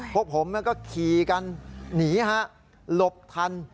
พวกผมก็ขี่กันหนีฮะหลบทัน